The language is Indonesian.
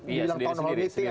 iya sendiri sendiri